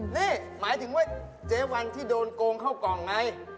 นี่หมายถึงว่าเจ๊วันที่โดนโกงเข้ากล่องไง